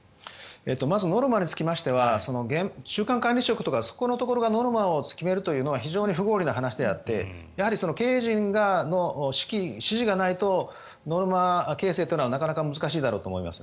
まずノルマに関しましては中間管理職とかその辺がノルマを決めるというのは非常に不合理な話であって経営陣の指示がないとノルマ形成というのはなかなか難しいだろうと思います。